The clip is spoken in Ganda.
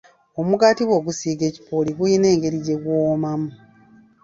Omugaati bw'ogusiiga ekipooli guyina engeri gye guwoomamu.